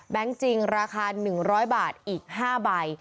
จริงราคา๑๐๐บาทอีก๕ใบ